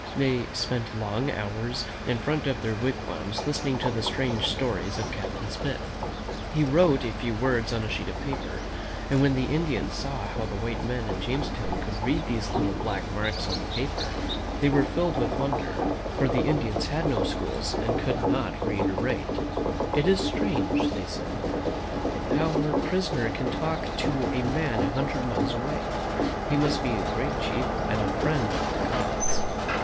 They spent long hours in front of their wigwams listening to the strange stories of Captain Smith. He wrote a few words on a sheet of paper, and when the Indians saw how the white men in Jamestown could read these little black marks on the paper, UtiiUltH ■%: 't'^.i: #«♦• urn r'iSV THE LITTLE RED PRINCESS OF THE FOREST <»!<ft~ ^!) they were filled with wonder, for the Indians had no schools, and could not read or write. "It is strange," they said, "our prisoner can talk to a man a hundred miles away. He must be a great chief and a friend of the gods."